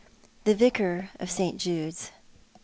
THE VICAR OF ST. JUDe's.